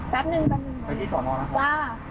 แป๊บนึงค่ะ